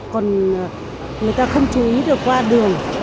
còn người ta không chú ý được qua đường